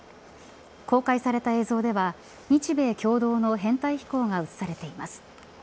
公開された映像では日米共同の編隊飛行が映されています。